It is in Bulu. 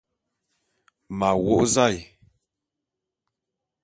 M'a wô'ô zae.